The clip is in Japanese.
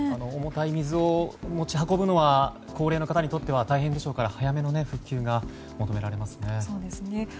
重たい水を持ち運ぶのは高齢の方にとっては大変でしょうから早めの復旧が求められますね。